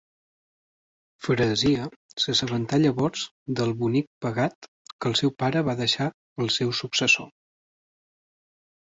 Freesia s'assabenta llavors del Bonic Pegat que el seu pare va deixar al seu successor.